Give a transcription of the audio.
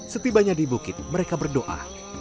setibanya di bukit mereka berdoa